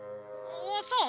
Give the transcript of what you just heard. そう？